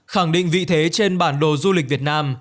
khẳng định vị thế trên bản đồ du lịch việt nam